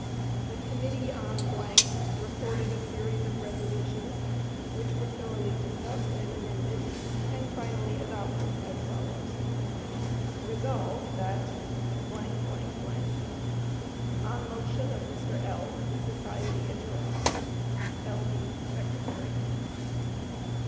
The committee on —— reported a series of resolutions, which were thoroughly discussed and amended, and finally adopted as follows: "Resolved, That " On motion of Mr. L. the society adjourned. L B , Secretary.